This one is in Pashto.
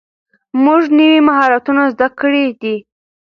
موږ نوي مهارتونه زده کړي دي.